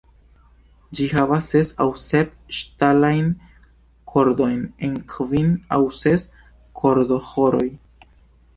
Ĝi havas ses aŭ sep ŝtalajn kordojn en kvin aŭ ses kordoĥoroj.